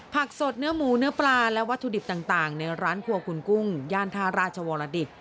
ผักสดเนื้อหมูเนื้อปลาและวัตถุดิบต่างในร้านครัวคุณกุ้งย่านท่าราชวรดิต